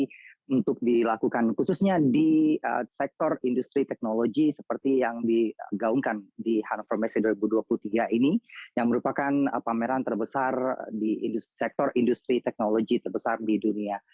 jadi untuk dilakukan khususnya di sektor industri teknologi seperti yang digaungkan di hanover messe dua ribu dua puluh tiga ini yang merupakan pameran terbesar di sektor industri teknologi terbesar di dunia